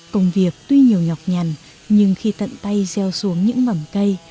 công việc tuy nhiều nhọc nhằn nhưng khi tận tay gieo xuống những mầm cây